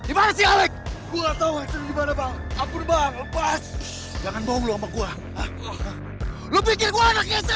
iya aku pilih